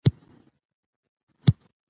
سپوره ټکله د سفر ښه ملګری دی.